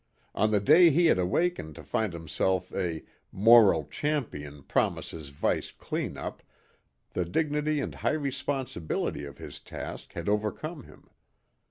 On the day he had awakened to find himself a "Moral Champion Promises Vice Clean up" the dignity and high responsibility of his task had overcome him.